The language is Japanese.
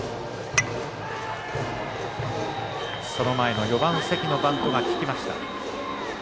その前の４番関のバントが効きました。